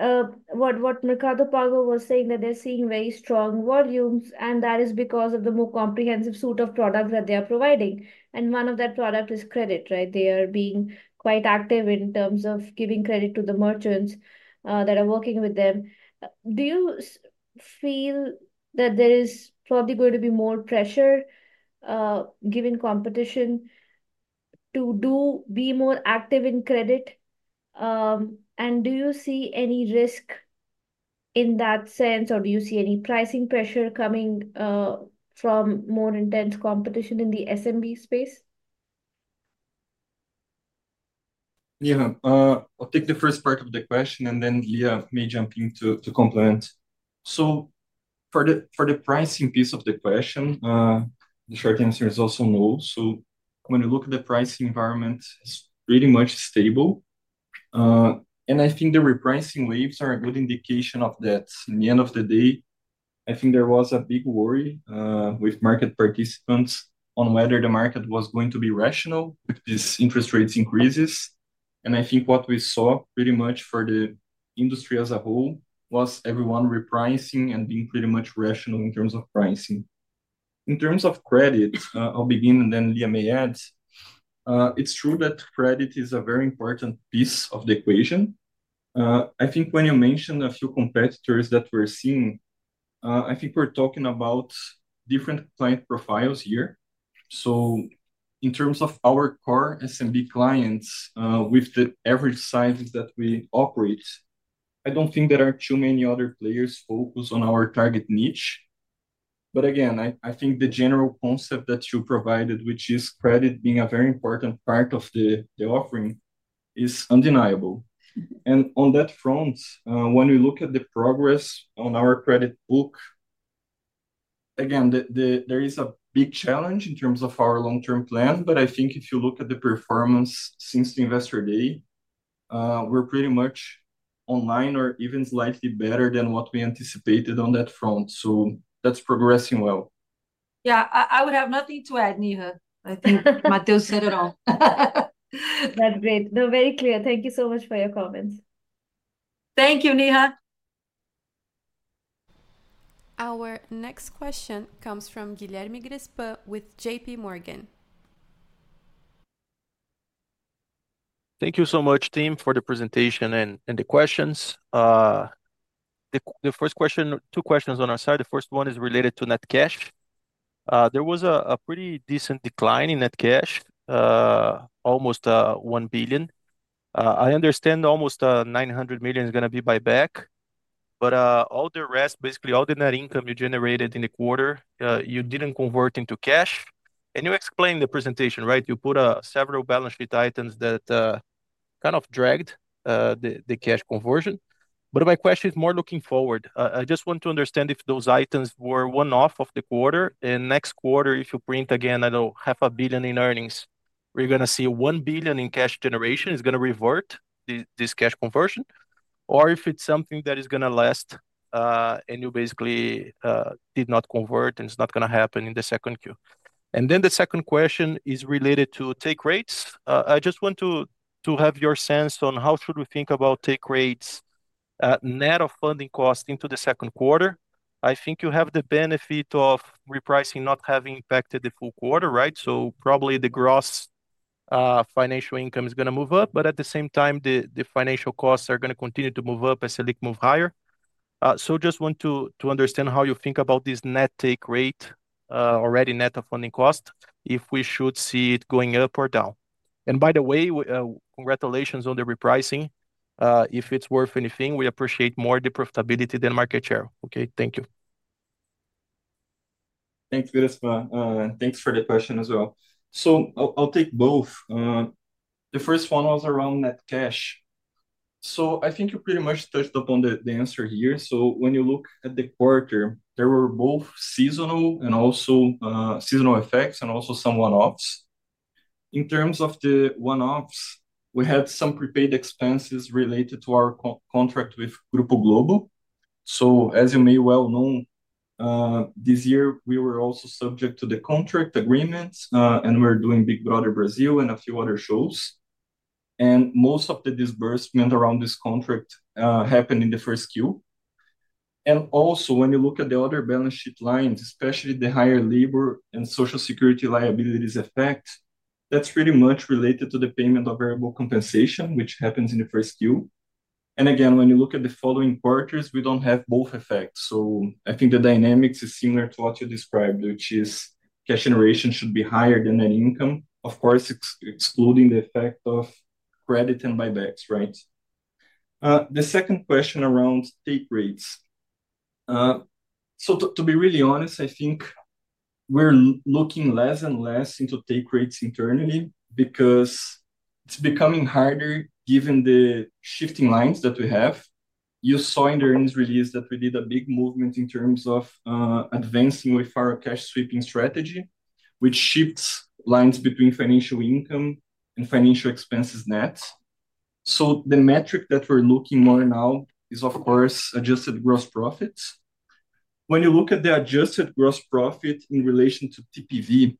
Mercado Pago was saying is that they're seeing very strong volumes, and that is because of the more comprehensive suite of products that they are providing. One of those products is credit, right? They are being quite active in terms of giving credit to the merchants that are working with them. Do you feel that there is probably going to be more pressure, given competition, to be more active in credit? Do you see any risk in that sense, or do you see any pricing pressure coming from more intense competition in the SMB space? Yeah. I'll take the first part of the question, and then Lia may jump in to complement. For the pricing piece of the question, the short answer is also no. When you look at the pricing environment, it's pretty much stable. I think the repricing waves are a good indication of that. In the end of the day, I think there was a big worry with market participants on whether the market was going to be rational with these interest rates increases. I think what we saw pretty much for the industry as a whole was everyone repricing and being pretty much rational in terms of pricing. In terms of credit, I'll begin, and then Lia may add. It's true that credit is a very important piece of the equation. I think when you mentioned a few competitors that we're seeing, I think we're talking about different client profiles here. In terms of our core SMB clients with the average sizes that we operate, I do not think there are too many other players focused on our target niche. Again, I think the general concept that you provided, which is credit being a very important part of the offering, is undeniable. On that front, when we look at the progress on our credit book, again, there is a big challenge in terms of our long-term plan, but I think if you look at the performance since the investor day, we're pretty much online or even slightly better than what we anticipated on that front. That is progressing well. Yeah. I would have nothing to add, Neha. I think Mateus said it all. That's great. No, very clear. Thank you so much for your comments. Thank you, Neha. Our next question comes from Guilherme Grespan with JPMorgan. Thank you so much, team, for the presentation and the questions. The first question, two questions on our side. The first one is related to net cash. There was a pretty decent decline in net cash, almost 1 billion. I understand almost 900 million is going to be buyback, but all the rest, basically all the net income you generated in the quarter, you did not convert into cash. And you explained the presentation, right? You put several balance sheet items that kind of dragged the cash conversion. My question is more looking forward. I just want to understand if those items were one-off of the quarter. Next quarter, if you print again, I know 500 million in earnings, we are going to see 1 billion in cash generation. Is it going to revert this cash conversion, or is it something that is going to last and you basically did not convert and it is not going to happen in the second Q? The second question is related to take rates. I just want to have your sense on how should we think about take rates net of funding cost into the second quarter. I think you have the benefit of repricing not having impacted the full quarter, right? Probably the gross financial income is going to move up, but at the same time, the financial costs are going to continue to move up as they move higher. Just want to understand how you think about this net take rate already net of funding cost, if we should see it going up or down. By the way, congratulations on the repricing. If it's worth anything, we appreciate more the profitability than market share. Okay. Thank you. Thanks, Grespan. Thanks for the question as well. I'll take both. The first one was around net cash. I think you pretty much touched upon the answer here. When you look at the quarter, there were both seasonal and also some one-offs. In terms of the one-offs, we had some prepaid expenses related to our contract with Grupo Globo. As you may well know, this year, we were also subject to the contract agreement, and we're doing Big Brother Brazil and a few other shows. Most of the disbursement around this contract happened in the first Q. When you look at the other balance sheet lines, especially the higher labor and social security liabilities effect, that's pretty much related to the payment of variable compensation, which happens in the first Q. Again, when you look at the following quarters, we do not have both effects. I think the dynamics is similar to what you described, which is cash generation should be higher than net income, of course, excluding the effect of credit and buybacks, right? The second question around take rates. To be really honest, I think we are looking less and less into take rates internally because it is becoming harder given the shifting lines that we have. You saw in the earnings release that we did a big movement in terms of advancing with our cash sweep strategy, which shifts lines between financial income and financial expenses net. The metric that we are looking more now is, of course, adjusted gross profits. When you look at the adjusted gross profit in relation to TPV,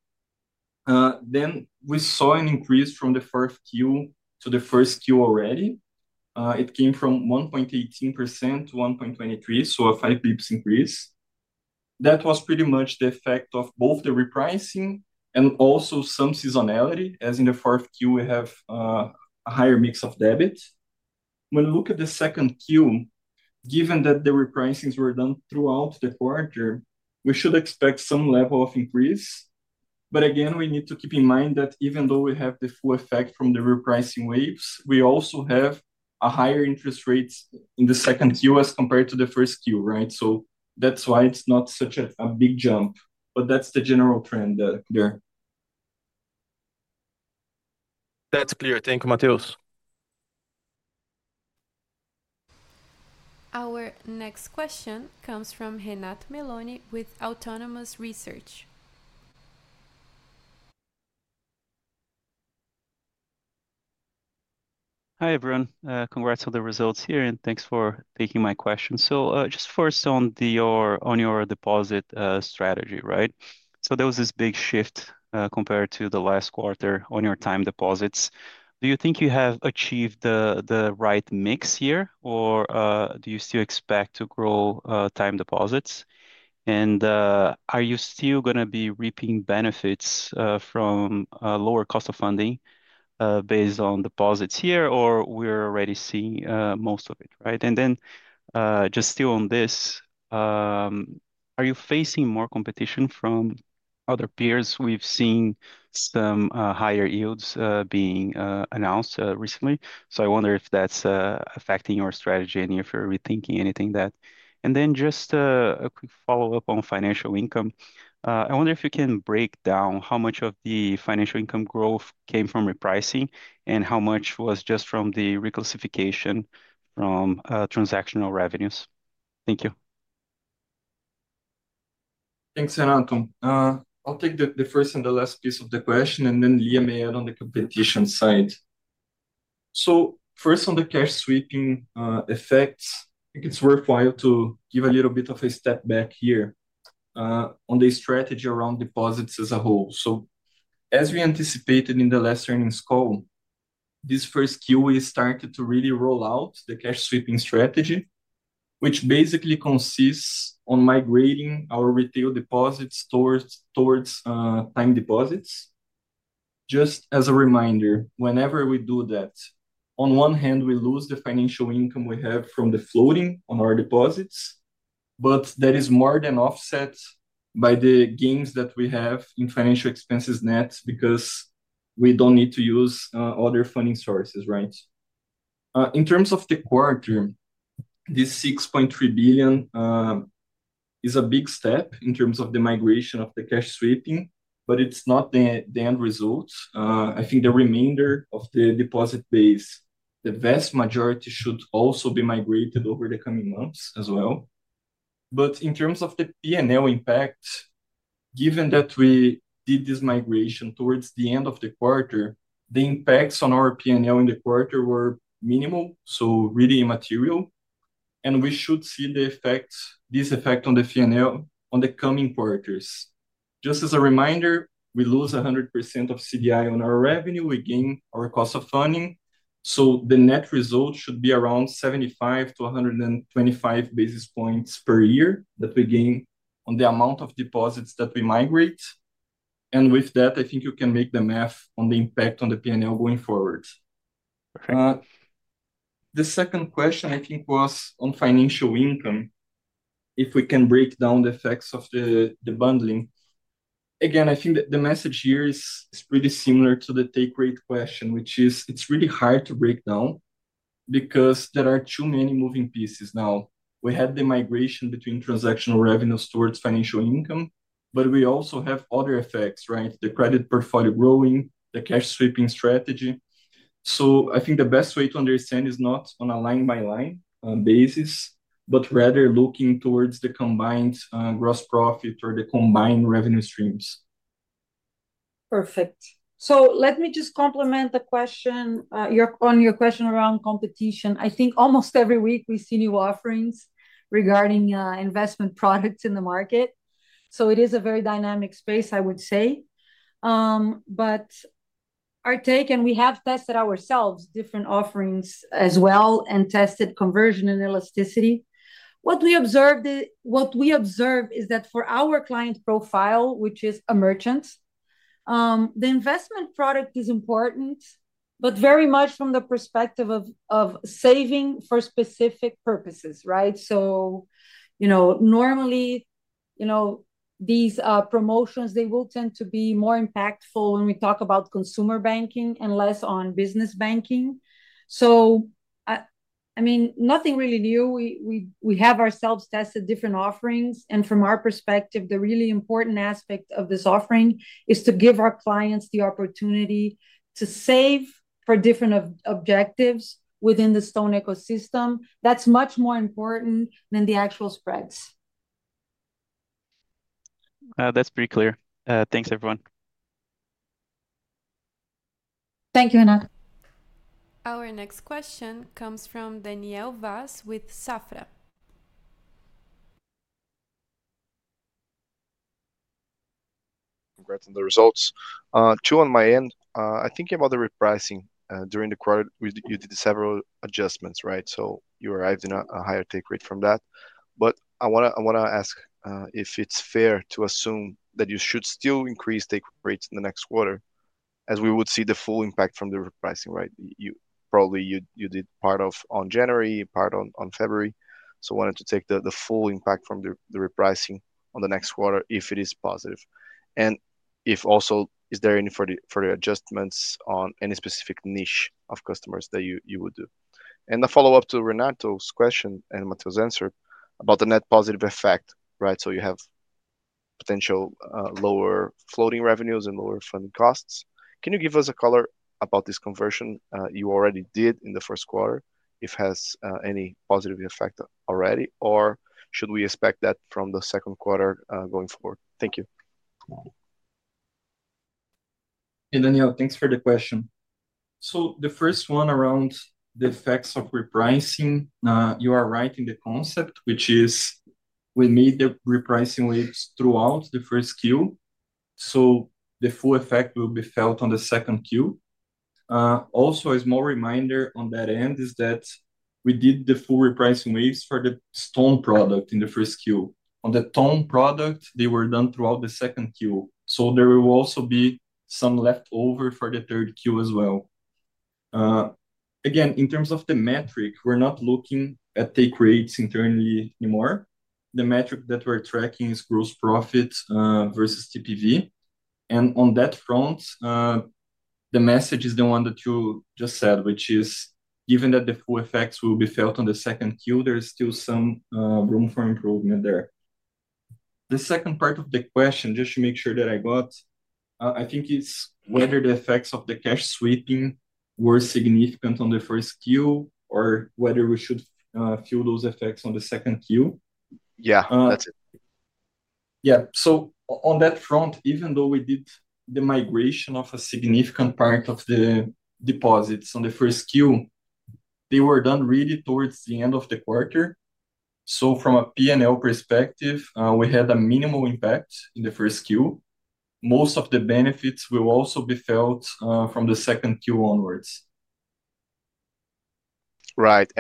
we saw an increase from the fourth Q to the first Q already. It came from 1.18% to 1.23%, so a five basis points increase. That was pretty much the effect of both the repricing and also some seasonality, as in the fourth Q, we have a higher mix of debit. When we look at the second Q, given that the repricings were done throughout the quarter, we should expect some level of increase. Again, we need to keep in mind that even though we have the full effect from the repricing waves, we also have a higher interest rate in the second Q as compared to the first Q, right? That is why it is not such a big jump, but that is the general trend there. That's clear. Thank you, Mateus. Our next question comes from Renato Meloni with Autonomous Research. Hi everyone. Congrats on the results here, and thanks for taking my question. Just first on your deposit strategy, right? There was this big shift compared to the last quarter on your time deposits. Do you think you have achieved the right mix here, or do you still expect to grow time deposits? Are you still going to be reaping benefits from lower cost of funding based on deposits here, or are we already seeing most of it, right? Just still on this, are you facing more competition from other peers? We have seen some higher yields being announced recently. I wonder if that is affecting your strategy and if you are rethinking anything there. Just a quick follow-up on financial income. I wonder if you can break down how much of the financial income growth came from repricing and how much was just from the reclassification from transactional revenues. Thank you. Thanks, Renato. I'll take the first and the last piece of the question, and then Lia may add on the competition side. First, on the cash sweeping effects, I think it's worthwhile to give a little bit of a step back here on the strategy around deposits as a whole. As we anticipated in the last earnings call, this first Q, we started to really roll out the cash sweep strategy, which basically consists of migrating our retail deposits towards time deposits. Just as a reminder, whenever we do that, on one hand, we lose the financial income we have from the floating on our deposits, but that is more than offset by the gains that we have in financial expenses net because we don't need to use other funding sources, right? In terms of the quarter, this 6.3 billion is a big step in terms of the migration of the cash sweep strategy, but it's not the end result. I think the remainder of the deposit base, the vast majority, should also be migrated over the coming months as well. In terms of the P&L impact, given that we did this migration towards the end of the quarter, the impacts on our P&L in the quarter were minimal, so really immaterial. We should see this effect on the P&L in the coming quarters. Just as a reminder, we lose 100% of CDI on our revenue. We gain our cost of funding. The net result should be around 75-125 basis points per year that we gain on the amount of deposits that we migrate. With that, I think you can make the math on the impact on the P&L going forward. The second question, I think, was on financial income, if we can break down the effects of the bundling. Again, I think the message here is pretty similar to the take rate question, which is it's really hard to break down because there are too many moving pieces now. We had the migration between transactional revenues towards financial income, but we also have other effects, right? The credit portfolio growing, the cash sweep strategy. I think the best way to understand is not on a line-by-line basis, but rather looking towards the combined gross profit or the combined revenue streams. Perfect. Let me just complement the question on your question around competition. I think almost every week we have seen new offerings regarding investment products in the market. It is a very dynamic space, I would say. Our take, and we have tested ourselves different offerings as well and tested conversion and elasticity. What we observed is that for our client profile, which is a merchant, the investment product is important, but very much from the perspective of saving for specific purposes, right? Normally, these promotions will tend to be more impactful when we talk about consumer banking and less on business banking. I mean, nothing really new. We have ourselves tested different offerings. From our perspective, the really important aspect of this offering is to give our clients the opportunity to save for different objectives within the Stone Ecosystem. That's much more important than the actual spreads. That's pretty clear. Thanks, everyone. Thank you, Renato. Our next question comes from Daniel Vaz with Safra. Congrats on the results. Two on my end. I think about the repricing during the quarter, you did several adjustments, right? You arrived in a higher take rate from that. I want to ask if it is fair to assume that you should still increase take rates in the next quarter as we would see the full impact from the repricing, right? Probably you did part of on January, part on February. I wanted to take the full impact from the repricing on the next quarter if it is positive. If also, is there any further adjustments on any specific niche of customers that you would do? A follow-up to Renato's question and Mateus's answer about the net positive effect, right? You have potential lower floating revenues and lower funding costs. Can you give us a color about this conversion you already did in the first quarter, if it has any positive effect already, or should we expect that from the second quarter going forward? Thank you. Danielle, thanks for the question. The first one around the effects of repricing, you are right in the concept, which is we made the repricing waves throughout the first Q. The full effect will be felt on the second Q. Also, a small reminder on that end is that we did the full repricing waves for the Stone product in the first Q. On the Tone product, they were done throughout the second Q. There will also be some leftover for the third Q as well. Again, in terms of the metric, we are not looking at take rates internally anymore. The metric that we are tracking is gross profit versus TPV. On that front, the message is the one that you just said, which is given that the full effects will be felt on the second Q, there is still some room for improvement there. The second part of the question, just to make sure that I got, I think it's whether the effects of the cash sweeping were significant on the first Q or whether we should feel those effects on the second Q. Yeah, that's it. Yeah. On that front, even though we did the migration of a significant part of the deposits in the first Q, they were done really towards the end of the quarter. From a P&L perspective, we had a minimal impact in the first Q. Most of the benefits will also be felt from the second Q onwards. Right.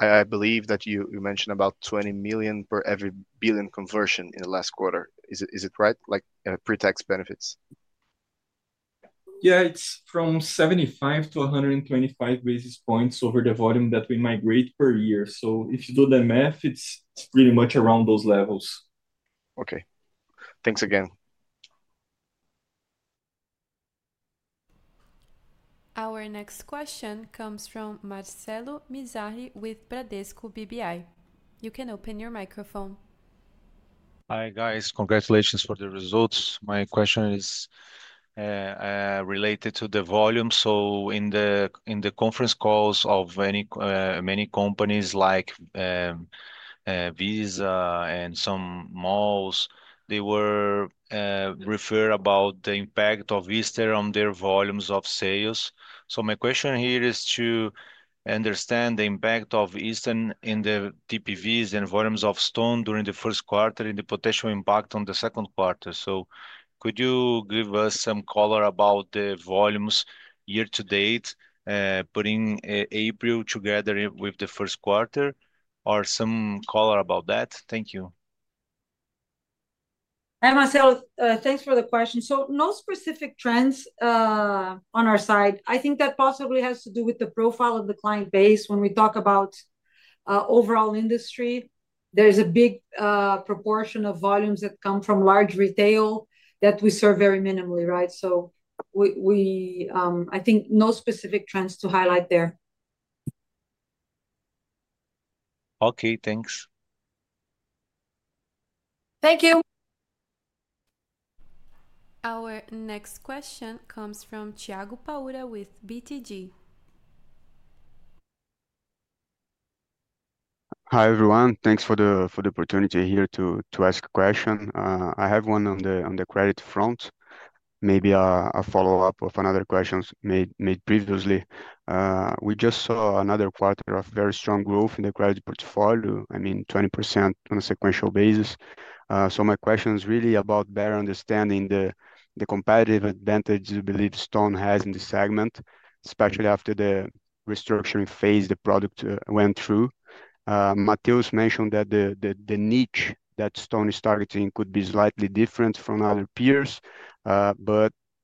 I believe that you mentioned about 20 million per every 1 billion conversion in the last quarter. Is it right? Like pre-tax benefits? Yeah, it's from 75-125 basis points over the volume that we migrate per year. If you do the math, it's pretty much around those levels. Okay. Thanks again. Our next question comes from Marcelo Mizrahi with Bradesco BBI. You can open your microphone. Hi guys. Congratulations for the results. My question is related to the volume. In the conference calls of many companies like Visa and some malls, they referred about the impact of Easter on their volumes of sales. My question here is to understand the impact of Easter in the TPVs and volumes of Stone during the first quarter and the potential impact on the second quarter. Could you give us some color about the volumes year to date, putting April together with the first quarter, or some color about that? Thank you. Hi, Marcelo. Thanks for the question. No specific trends on our side. I think that possibly has to do with the profile of the client base. When we talk about overall industry, there is a big proportion of volumes that come from large retail that we serve very minimally, right? I think no specific trends to highlight there. Okay, thanks. Thank you. Our next question comes from Thiago Paura with BTG. Hi everyone. Thanks for the opportunity here to ask a question. I have one on the credit front, maybe a follow-up of another question made previously. We just saw another quarter of very strong growth in the credit portfolio, I mean, 20% on a sequential basis. My question is really about better understanding the competitive advantage we believe Stone has in the segment, especially after the restructuring phase the product went through. Mateus mentioned that the niche that Stone is targeting could be slightly different from other peers.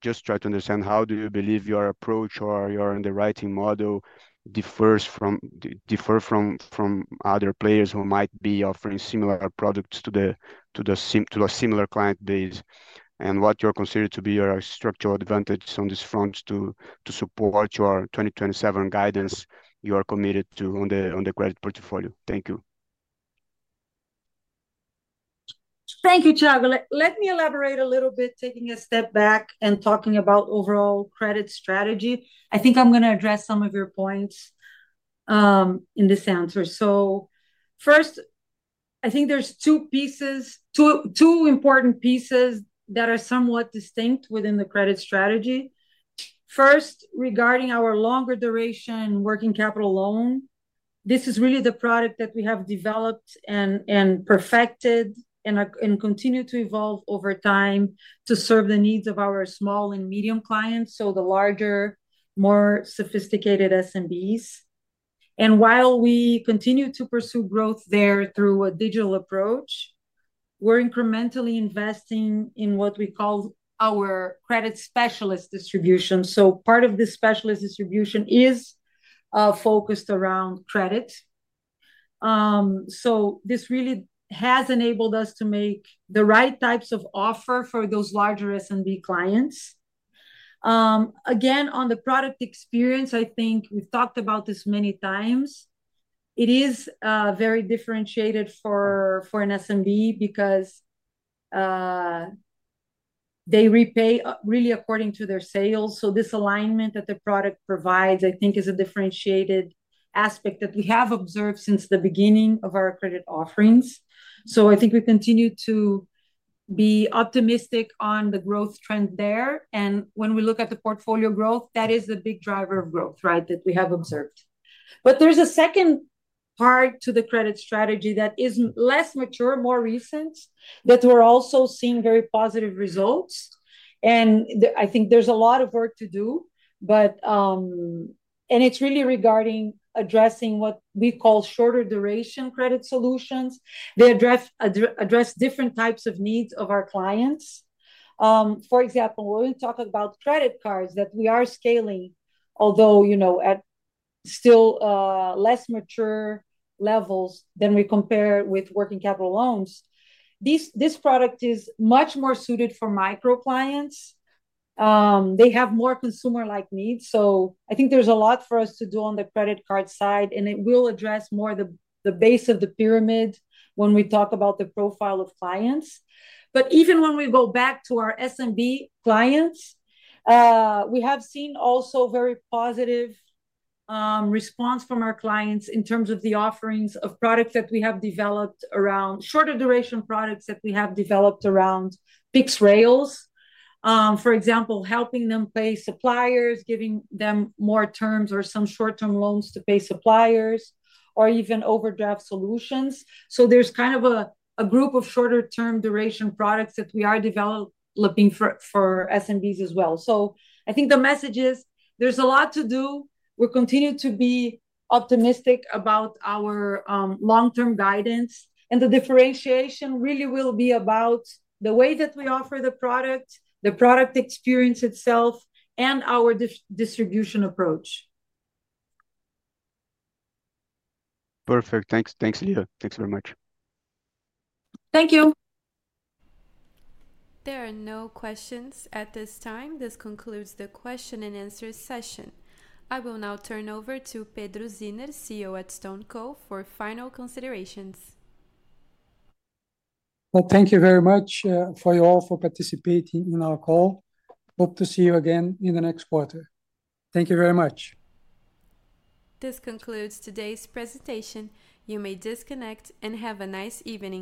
Just trying to understand how do you believe your approach or your underwriting model differ from other players who might be offering similar products to a similar client base and what you consider to be your structural advantage on this front to support your 2027 guidance you are committed to on the credit portfolio. Thank you. Thank you, Tiago. Let me elaborate a little bit, taking a step back and talking about overall credit strategy. I think I'm going to address some of your points in this answer. First, I think there's two important pieces that are somewhat distinct within the credit strategy. First, regarding our longer duration working capital loan, this is really the product that we have developed and perfected and continue to evolve over time to serve the needs of our small and medium clients, so the larger, more sophisticated SMBs. While we continue to pursue growth there through a digital approach, we're incrementally investing in what we call our credit specialist distribution. Part of the specialist distribution is focused around credit. This really has enabled us to make the right types of offer for those larger SMB clients. Again, on the product experience, I think we've talked about this many times. It is very differentiated for an SMB because they repay really according to their sales. This alignment that the product provides, I think, is a differentiated aspect that we have observed since the beginning of our credit offerings. I think we continue to be optimistic on the growth trend there. When we look at the portfolio growth, that is the big driver of growth, right, that we have observed. There is a second part to the credit strategy that is less mature, more recent, that we're also seeing very positive results. I think there's a lot of work to do. It is really regarding addressing what we call shorter duration credit solutions. They address different types of needs of our clients. For example, when we talk about credit cards that we are scaling, although at still less mature levels than we compare with working capital loans, this product is much more suited for micro clients. They have more consumer-like needs. I think there is a lot for us to do on the credit card side, and it will address more the base of the pyramid when we talk about the profile of clients. Even when we go back to our SMB clients, we have seen also very positive response from our clients in terms of the offerings of products that we have developed around shorter duration products that we have developed around fixed rails. For example, helping them pay suppliers, giving them more terms or some short-term loans to pay suppliers, or even overdraft solutions. There is kind of a group of shorter-term duration products that we are developing for SMBs as well. I think the message is there is a lot to do. We continue to be optimistic about our long-term guidance. The differentiation really will be about the way that we offer the product, the product experience itself, and our distribution approach. Perfect. Thanks, Lia. Thanks very much. Thank you. There are no questions at this time. This concludes the question and answer session. I will now turn over to Pedro Zinner, CEO at StoneCo, for final considerations. Thank you very much for you all for participating in our call. Hope to see you again in the next quarter. Thank you very much. This concludes today's presentation. You may disconnect and have a nice evening.